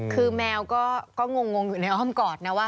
คือแมวก็งงอยู่ในอ้อมกอดนะว่า